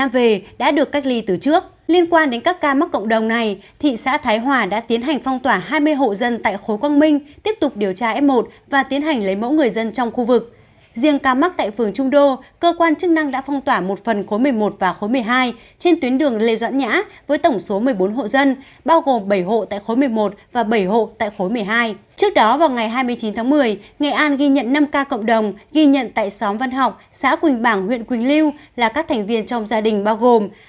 vào ngày hai mươi chín tháng một mươi nghệ an ghi nhận năm ca cộng đồng ghi nhận tại xóm văn học xã quỳnh bảng huyện quỳnh lưu là các thành viên trong gia đình bao gồm